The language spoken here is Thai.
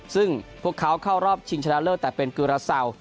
ซึ่งพวกเขาเข้ารอบชิงชนะเลิศแต่เป็นกุราเซา